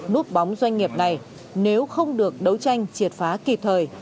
núp bóng doanh nghiệp này nếu không được đấu tranh triệt phá kịp thời